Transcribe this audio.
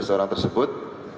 sebelas orang tersebut